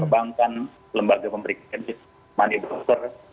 bankan lembaga pemeriksaan money broker